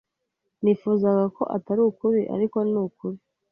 Nifuzaga ko atari ukuri, ariko ni ukuri.